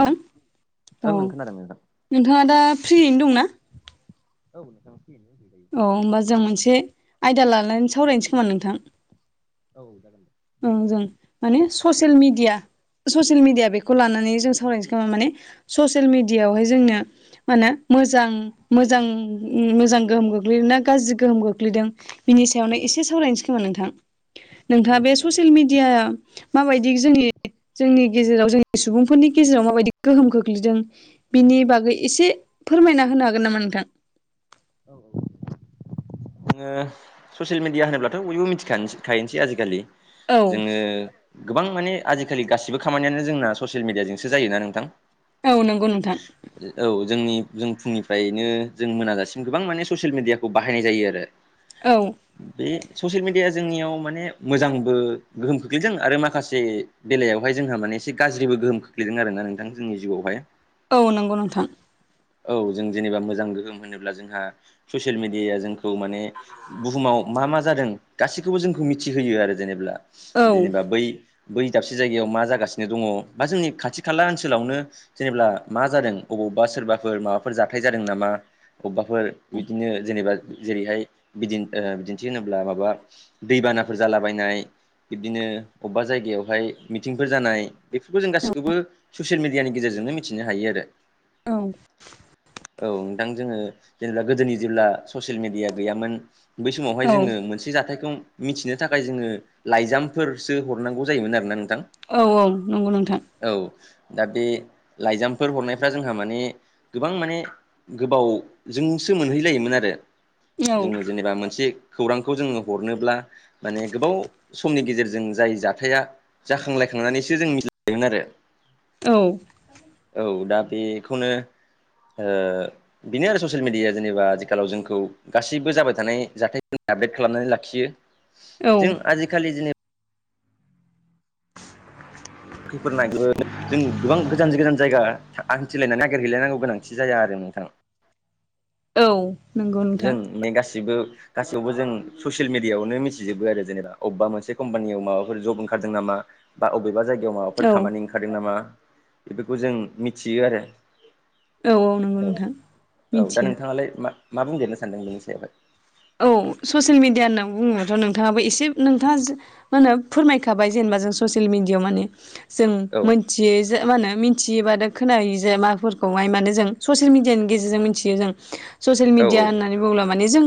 ओं औओ औ ओं खोनादों नोंथां। नोंथाङा दा फ्रियैनो दंनाा औ औ होमबा जों मोनसे आयदा लानानै सावरायनोसै खोमा नोंथां औ जागोन औ जों माने ससियेल मिडिया ससियेल मिडिया बेखौ लानानै जों सावरायनोसै खोमा माने ससियेल मिेडियावहाय जोंनो माहोनो मोजां मोजां मोजां गोहोम गो गोग्लैदों ना गाज्रि गोहोम गोग्लैदों बिनि सायावनो एसे सावरायनोसै खोमा नोंथां नोंथाङा बे ससियेल मिेडिया माबायदि जोंनि जोंनि गेजेराव जोंनि सुबुंफोरनि गेजेराव माबायदि गोहोम गोग्लैदों बिनि बागै एसे फोरमायना होनो हागोन नामा नोंथां औ औ जोङो ससियेल मिडिया होनोब्लाथ' बयबो मिथिखखायसै आजिखालि औ जोङो गोबां माने आजिखालि गासिबो खामानियानो जोंना ससियेल मिडियााजोंसो जायोोना नोंथां औ नंगौ नोंथां औ जोंनि जों फुंनिफ्रायनो जों मोनाजासिम गोबां माने ससियेल मिडियाखौ बाहायनाय जायो आरो औ बे ससियेल मिडिया जोंनियाव माने मोजांबो गोहोम खोख्लैदों आरो माखासे बेलायावहाय जोंहा माने एसे गाज्रिबो गोहोम खोख्लैदों आर ना नोंथां जोंनि जिउआवहाय औ नंगौ नोंथां औ जों जेनेबा मोजां गोहोम होनोब्ला जोंहा ससियेल मिडियाया जों खौ माने बुहुमाव मा मा जादों गासैखौबो जोंखौ मिथिहोयो आरो जेनेबा औ जेनेबा बै बै दाबसे जायगायाव मा जागासिनो दङ बा जोंनि खाथि खाला ओनसोलावनो जेनेबा मा जादों अबावबा सोरबाफोर माबाफोर जाथाय जादों नामा अबबाफोर बिदिनो जेनेबा जेरैहाय बिदि बिदिन्थि होनोब्ला माबा दैबानाफोर जालाबायनाय बिबदिनो अबेबा जायगायावहाय मिथिंफोर जानाय बेफोरखौ जों गासिखौबो ससियेल मिडियानि गेजेरजोंनो मिथिनो हायो आरो। औ औ नोंथां जोङो जेनेबा गोदोनि जेब्ला ससियेल मिडिया गैयामोन बै समावहाय औ जोङो मोनसे जाथायखौ मिथिनो थाखाय जोङो लाइजामफोरसो हरनांगौ जायोमोन आरोोना नोंथां। औ औ नंगौ नोंथां। औ दा बे लाइजामफोर हरनायफ्रा जोंहा माने गोबां माने गोबावजोंसो मोनहैलायोमोन आरो औ जोङो जेनेबा मोनसे खौरांखौ जोङो हरनोब्ला माने गोबाव समनि गेजेरजों जाय जाथाया जाखांलायखांनानैसो जों मिथिायोमोन आरो औ औ दा बेखौनो बिनो आरो ससियेल मिडिया जेनेबा आथिखालाव जों खौ गासैबो जाबाय थानाय जाथाय आपडेट खालामनानै लाखियो। औ जों आजिखालि [unintelligible] जों गोबां गोजान गोजान जायगा आान्थिलायनानै नागिरहैलायनांगौ गोनांथि जाया आरो नोंथाङा। औ नंगौ। नोंथां जों नै गासिबो गासैयावबो जों ससियेल मिडियआवनो मिथिजोबो आरो जेनेबा अबेबा मोनसे कम्पानियाव माबाफोर जब ओंखारदों नामा बा बबेबा जायगायाव माबाफोर औ खामानि ओंखारदों नामा बेफोरखौ जों मिथियो आरो। औ नंगौ औ नोंथां औ दा मिथिया नोंथाङालाय मा मा बुंदेरनो सानदों बेनि सायावहाय? औ ससियेल मिडिया होनना बुङोबथ' नोंथाङाबो एसे नोंथाङा मा होनो फोरमायखाबाय जेनेबा जों ससियेल मिडियाआव माने जों औ मिथि मा होनो मिथियोबा दा खोनायो जे माफोरखौ माहाय मानो जों ससियेल मिडियानि गेजेरजों मिथि ज जों [unintelligible] ससियेल मिडिया औ होननानै बुङोब माने जों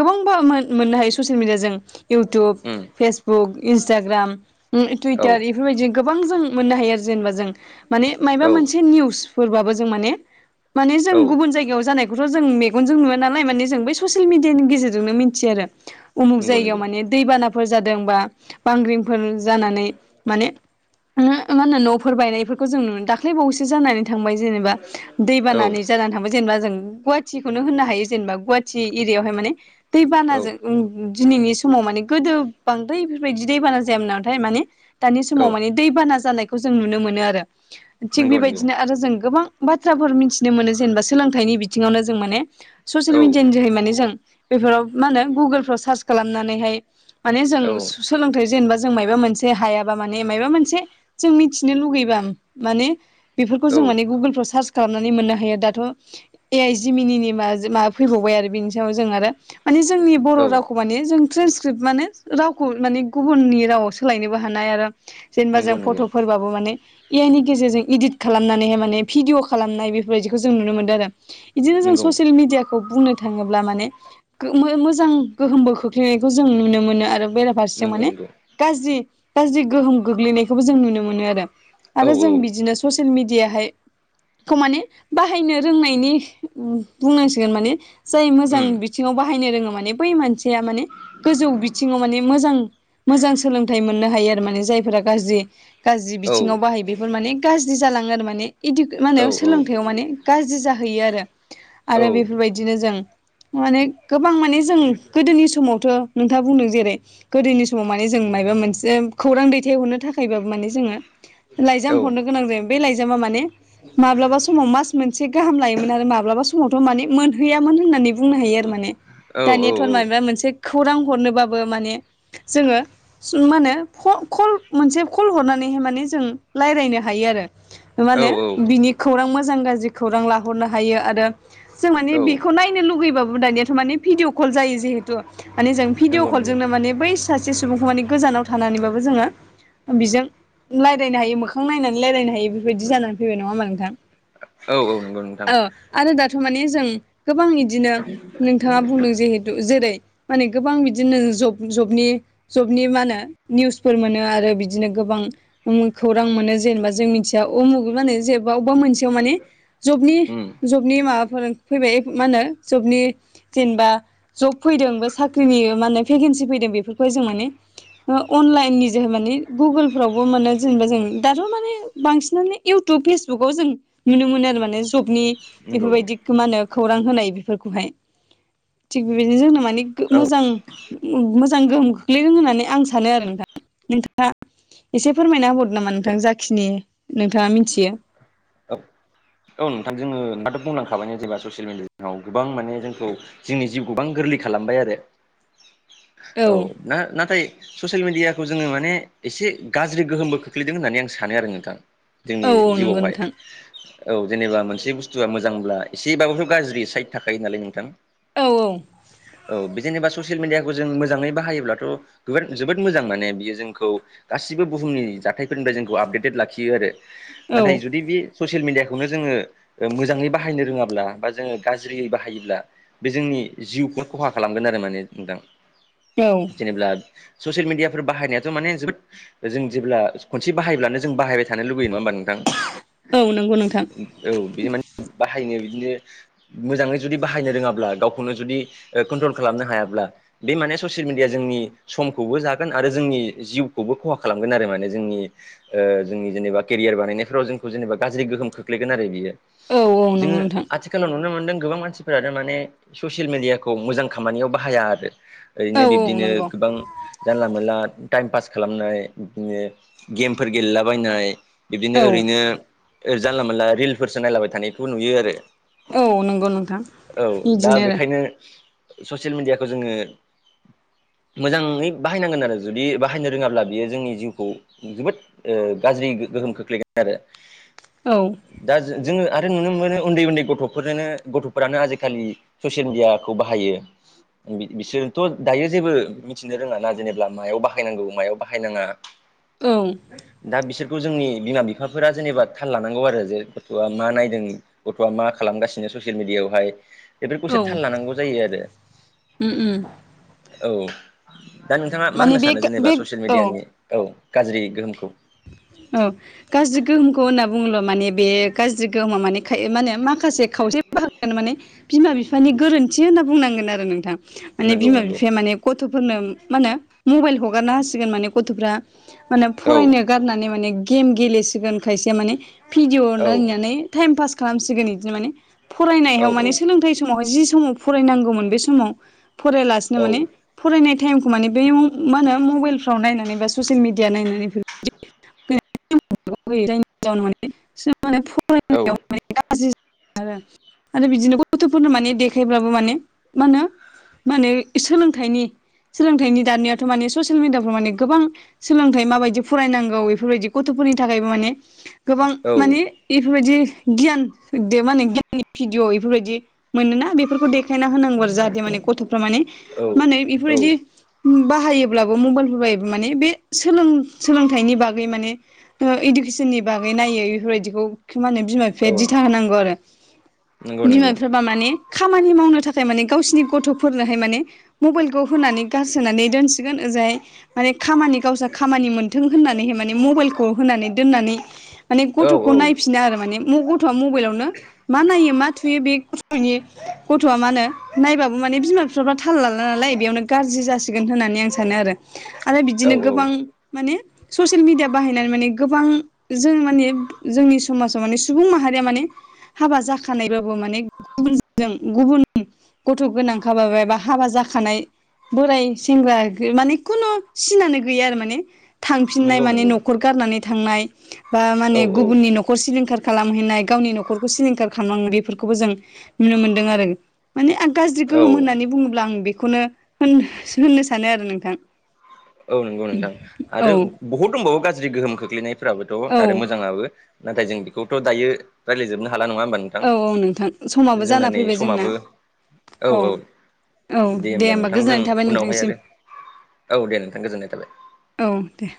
गोबांबा मोननो हायो ससियेल मिडिया जों इउटुब, औ उम फेसबुक, इन्सटाग्राम, औ टुइटार बेफोरबायदि गोबां जों मोननो हायो आरो। जेनेबा जों माने मबा औ मोनसे निउस फोरबबो जों माने माने जों औ गुबुन जायगायाव जानायखौथ' जों मेगनजों नुवा नालाय मान जों ब ससियेल मिडियानि गेजेरजोंनो मिथियो आरो उमुक नंगौ जायगायाव नंगौ माने दैबानाफोर जादोंबा बांग्रिंफोर जानानै माने ओमहो मा होनो न'फोर बायनायफोरखौ जों नुनो दाख्लै बावैसो जानानै थांबाय जेनेबा दै औ बानानै जानानै थांबाय। जेनेबा जों गुवाहाटिखौनो होननो हायो जेनेबा गुवाहाटि एरियाायावहाय माने औ दैबानाजों दिनैनि समाव माने गोदो बांद्राय बेफोरबायदि दैबाना जायामोन नामाथाय माने दानि औ समाव माने दैबाना जानायखौ जों नुनो मोनो। आरो थिग नंगौ नंगौ बेबायदिनो आरो जों गोबां बाथ्राफोर मिथिनो मोनो जेनेबा सोलोंथाइनि बिथिङावनो जों माने औ ससियेल मिडिया नि जोहै माने जों बेफोराव मा होनदों गुगुलफोराव चार्स खालामनानै हाय माने जों औ सोलोंथाइ जेनेबा जों मायबा मोनसे हायाबा माने मायबा मोनसे जों मिथिनो लुुबैबा माने बेफोरखौ औ जों माने गुगोलफ्राव सार्च खालामनानै मोननो हायो दाथ' ए आइ जि मिनिनि माबा फैबावबाय आरो बिनि सायाव जों आरो माने जोंनि बर' औ रावखौ माने जों ट्रेन्सक्रिप्ट माने रावखौ माने गुबुननि रावाव सोलायनोबो हानाय आरो जेनेबा नंगौ जों नंगौ फट'फोरबाबो माने ए आइ नि गेजेरजों इदित खालामनानैहाय माने भिडिअ खालामनाय बेफोरबायाददिखौ जों नुनो मोन्दों आरो। बिदिनो जों नंगौ ससियेल मिडियाखौ बुंनो थांङोब्ला मोजां गोहोमबो खोख्लैनाय जों नुनो मोन आरो। बेराफारसे नंगौ माने नंगौ गाज्रि गाज्रि गोहोम गोग्लैनायखौबो जों नुनो मोनो आरो। औ आरो औ जों बिदिनो ससियेल मिडियाहाय खौ माने बाहायनो रोंनायनि बुंनांसिगोन माने जाय मोजां उम बिथिंङाव बाहायनो रोंङो माने बै मानसिया माने गोजौ बिथिंङाव माने मोजां मोजां सोलोंथाइ मोननो हायो आरो माने जायफोरा गाज्रि गाज्रि औ बिथिंङाव बाहायो बेफोर माने गाज्रि जालांङो आरो माने इ माने औ सोलोंथाइयाव माने गाज्रि जाहैयो आरो औ आरो बेफोरबायदिनो जों माने गोबां माने जों गोदोनि समावथ' नोंथांङा बुंदों जेरै गोदोनि समाव माने जों मायबा मोनसे खौरां दैथायहरनो था खायसो माने जोङो औ लायजाम हरनो गोनां जायोमोन बे लायजामा माने माब्ला समाव मास मोनसे गाहाम लायोमोन आरो माब्ला समावथ' माने मोनहैयामोन होननानैनो हायो आरो माने दानियाथ' फोर माबा मोनसे खौरां हरनोबाबो माने जोंङो मा होनो खर कल मोनसे कल हरनानैहाय माने जों रायज्लायनो हायो आरो। मा औ होनो बिनि खौरां मोजां गाज्रि खौरां लाहरनो हायो आरो जों मानि बे औ नायनो लुुबैबाबो दानियाथ' माने भिडिअ कल जायो जिहेतु माने जों भिदिअ' नंगौ नंगौ कलजोंनो माने बै सासे सुबुंखौ माने गोजानाव थानानैबाबो जोंङो बेजों रायलायनो हायो मोखां नायनानै रायलायनो हायो बेफोरबायदि जानानै फैबाय नंङा होमा नोंथां औ औ नंगौ नोंथां औ। आरो दाथ' माने जों गोबां इदिनो नोंथांङा बुंदों जेहे थु जेरै माने गोबां बिदिनो ज जबनि जबनि मा होनो निउसफोर मोनो आरो बिदिनो गोबांउम खौरां मोनो जेनेबा जों मिथि दा उमुग माने जेबा अबेबा मोनसेयाव माने जबनि उम जबनि माबाफोर फैबाय। मा होनो जबनि जेनेबा जब फैदों बा साख्रिनि माहोनो भेकन्सि फैदों बेफोरखौहाय जों माने ओ अनलाइन नि जोहै माने गुगोलफ्रावबो मोनो जेनेबा जों दाथ' माने बांसिनानो इउटुब फेसबुकाव जों नुनो मोनो आरो माने जबनि नंगौ औ बेफोरबायदिखौ मा होनो खौरां होनाय बेफोरखौहाय थिग बेबायदिनो जोंनो माने औ मोजां मोजां गोहोम खोख्लैदों होननानै आं सानो आरो नोंथां नोंथांङा एसे फोरमायना होबावदों नामा नोंथां जाखिनि नोंथांङा मिथियो ‌ औ औ नोंथां जोंङो नोंथांङाथ' बुंलांखाबाय जेबा ससियेल मिडियाफ्राव गोबां माने जोंखौ जोंनि जिउखौ गोबां गोरलै खालामबाय आरो औ ना नाथाय ससियेल मिडियाखौ जोंङो माने एसे गाज्रि गोहोमबो खोख्लैदों होननानै आं सानो आरो नोंथां। औ जोंनि नंगौ जिउआवहाय। नोंथां औ जेनेबा मोनसे बुस्थुआ मोजांब्ला एसेबाबोथ' गाज्रि साइद थाखायो नालाय नोंथां। औ औ जेनेबा ससियेल मिडियाखौ जों मोजांङै बाहायोब्लाथ' बेफोर जोबोद मोजां माने बियो जोंखौ गासिबो बुहुमनि जाथायफोरनिफ्राय जोंखौ आपडेटेड लाखियो आरो। औ नाथाय जुदि बि ससियेल मिडियाखौनो जोंङो ओ मोजांङै बाहायनो रोंङाब्ला बा जोंङो गाज्रियै बाहायोब्ला बे जोंनि जिउखौ खहा खालामगोन आरो माने नोंथां। औ। जेनेबा ससियेल मिडियाफोर बाहायनायाथ' माने जोबोद जों जेब्ला खनसे बाहायब्लानो जों बाहायबाय थानो लुबैयो नङा होमबा नोंथां। औ नंगौ नोंथां। औ बिदि माने बाहायनो बिदिनो मोजाङै जुदि बाहायनो रोङाब्ला गावखौनो जुदि ओ कन्ट्रल खालामनो हायाब्ला बे माने ससियेल मिडिया जोंनि समखौबो जागोन आरो जोंनि जिउखौबो खहा खालामगोन आरो माने जोंनि। ओ जोंनि जेनेबा केरियार बानायनायफ्राव जों खौ जेनेबा गाज्रि गोहोम खोख्लैगोन आरो बियो औ औ जोङो नंगौ नोंथां आथि खालाव नुनो मोनदों गोबां मानसिफोरा माने ससियेल मिडियाखौ मोजां खामानियाव बाहाया आरो। ओरैनो औ औ बिब्दिनो नंगौ गोबां जानला मोनला टाइम पास खालामनाय बिदिनो गेमफोर गेलेलाबायनाय बिब्दिनो औ ओरैनो ओ जानला मोनाला रिलफोरसो नायलाबाय थानायखौ नुयो आरो। औ नंगौ नोंथां औ दा बिदिनो आरो बेखायनो ससियेल मिडियाखौ जोङो। मोजाङै बाहाय नांगोन आरो जुदि बाहायनो रोङाब्ला बियो जोंनि जिउखौ जोबोद। ओ गाज्रि गोहोम खोख्लैगोन आरो। औ। दा जोङो आरो नुनो मोनो उन्दै उन्दै गथ'फोरनोनो गथ'फोरानो आजि खालि। ससियेल मिडियाखौ बाहायो। बि-बिसोरथ' दायो जेबो मिथिनो रोङाना जेनेबा मायाव बाहायनांगौ मायाव बाहायनाङा। औ दा बिसोरखौ जोंनि बिमा बिफा फोरा जेनेबा थाल लानांगौ आरो जे गथ'आ मा नायदों। गथ'आ मा खालामगासिनो ससियेल मिडियावहाय? बेफोरखौसो औ एसे थाल उम लानांगौ जायो आरो उम औ। दा नोंथाङा मा माने होननो बे सानो बे जेनेबा ससियेल औ मिडियानि औ गाज्रि गोहोमखौ? औ गाज्रि गोहोमखौ होनना बुङोब्ला माने बे गाज्रि गोहोमा माने माखासे खावसे बाहागोआनो माने बिमा बिफानि गोरोन्थि होनना बुंनांगोन आरो नोंथां। माने नंगौ बिमा नंगौ बिफाया माने गथ'फोरनो मा होनो मबेइल हगारना होसिगोन माने गथ'फ्रा। माने औ फरायनो गारनानै माने गेम गेलेसिगोन खायसेया माने भिडिअ औ नायनानै टाइम पास खालामसिगोन इदिनो माने औ फरायनायाव माने सोलोंथाइ समावहाय जि समाव फरायनांगौमोन बे समाव फरायलासिनो औ माने फरायनाय टाइम खौ माने बे मा होनो मबाइल फाव नायनानै बा ससियेल मिडिया नायनानै [unintelligible] [unintelligible] [unintelligible] गाज्रि आरो आरो बिदिनो गथ'फोरनो माने देखायब्लाबो माने मा होनो माने सोलोंथाइनि सोलोंथाइनि दानियाथ' माने ससियेल मिडियाफ्राव माने गोबां सोलोंथाइ माबायदि। फरायनांगौ इफोरबायदि गथ'फोरनि थाखायबो माने गोबां औ मानि। इफोरबायदि गियान मा होनो गियाननि भिदिअ बेफोर बायदि मोनोना बेफोरखौ देखाय देखायना होनांगौ आरो जाहाथे माने गथ'फ्रा मा औ होनो इफोर बायदि। बाहायोब्लाबो मबेइलफोर बायो माने बे सोलों सोलोंथाइनि बागै माने ओ इडुकेसननि बागै नायो इफोर बायदिखौ मा होनो बिमा बिफा औ दिथा होनांगौ आरो नंगौ बिमा नंगौ बिफा बा माने खामानि मावनो थाखाय माने गावसिनि गथ'फोरनोहाय माने। मबेइलखौ होनानै गारसोनानै दोनसिगोन ओजोंहाय माने खामानि गावसा खामानि थों होननानैहाय माने मबेइलखौ होनानै दोननानै माने औ गथ'खौ औ नायफिन बिनो आरो माने गथ'आ मबाइलावनो मा नायो मा थुयो बे गथ'नि गथ'आ मा होनो नायबाबो माने बिमा बिफाफ्रा थाल लाला नालाय बेयावनो गाज्रि जासिगोन होननानै आं सानो आरो। आरो औ बिदिनो औ गोबां माने ससियेल मिडिया बाहायनानै माने गोबां। जों माने जोंनि समाजाव माने सुबुं माहारिया माने हाबा जाखानायबाबो माने गुबुनजों गुबुन गथ' गोनांखाबाबो बा हाबा जाखानाय बोराय सेंग्रा माने खुनु सिनानो गैया आरो माने। थांफिननाय नंगौ माने नंगौ न'खर गारनानै थांनाय बा माने औ औ गुबुननि नख [unintelligible] सिलिंखार खालामहैनाय गावनि न'खरखौ सिलिंखार खालामो बेफोरखौबो जों नुनो मोनदों आरो। माने आं गाज्रि औ गोहोम होननानै बुङोब्ला आं बेखौनो होन होननो सानो आरो नोंथां। औ नंगौ नोंथां औ आरो बुहुद दंबावो गाज्रि गोहोम खोख्लैनायफोराबोथ' औ आरो मोजाङाबो। नाथाय जों बेखौथ' दायो रायज्लायजोबनो हाला नङा होमबा नों थां औ औ नोंथां समाबो जोंना जाना नै फैबाय जोंना समाबो औ औ औ दे होमबा नोंथां जों गोजोननाय थाबाय उनावहाय नोंथांसिम आरो औ दे नोंथां गोजोननाय थाबाय। औ दे।